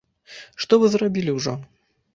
Што вы зрабілі ўжо?